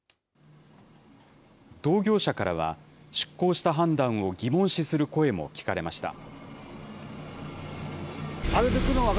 同業者からは、出港した判断を疑問視する声も聞かれました。